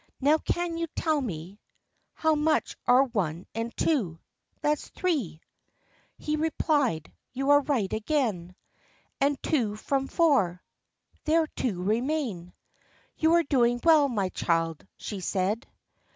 Now, can you tell me How much are one and two ?"" That's three," 46 THE LIFE AND ADVENTURES He replied. "You are right again. And two from four?" "There two remain." "You are doing well, my child," she said.